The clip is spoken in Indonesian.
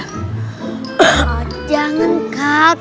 oh jangan kak